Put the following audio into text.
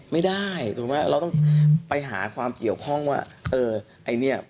ไม่ได้เราต้องไปหาความเกี่ยวข้องว่า